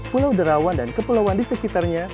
pulau derawan dan kepulauan di sekitarnya